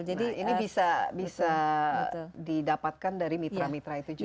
ini bisa didapatkan dari mitra mitra itu juga